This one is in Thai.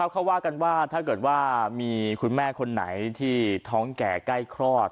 เขาว่ากันว่าถ้าเกิดว่ามีคุณแม่คนไหนที่ท้องแก่ใกล้คลอด